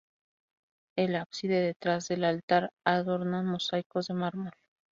El ábside detrás del altar adornan mosaicos de mármol.